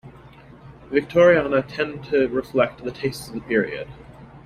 Victoriana tend to reflect the tastes of the period.